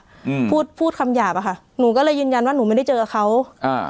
อืมพูดพูดคำหยาบอ่ะค่ะหนูก็เลยยืนยันว่าหนูไม่ได้เจอเขาอ่า